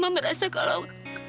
mama merasa kalau